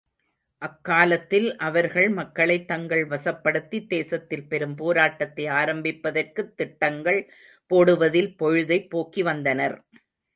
அக்காலத்தில் அவர்கள் மக்களைத் தங்கள் வசப்படுத்தித் தேசத்தில் பெரும் போராட்டத்தை ஆரம்பிப்பதற்குத் திட்டங்கள் போடுவதில் பொழுதைப் போக்கிவந்தனர்.